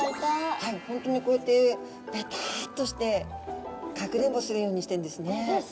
はいホントにこうやってベタッとしてかくれんぼするようにしてんですね。